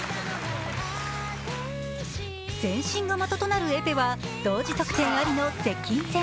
全身が的となるエペは同時得点ありの接近戦。